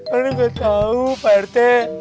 aku nggak tau pak rt